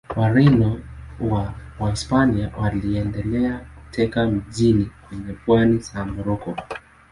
Wareno wa Wahispania waliendelea kuteka miji kwenye pwani za Moroko.